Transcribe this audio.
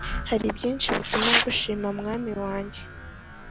Haribyinshi bituma ngushima mwami wanjye